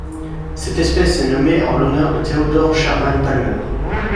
Cette espèce est nommée en l'honneur de Theodore Sherman Palmer.